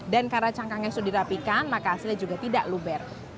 dan karena cangkangnya sudah dirapikan maka hasilnya juga tidak luber